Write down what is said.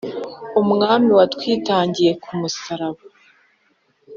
umwami watwitangiye ku musaraba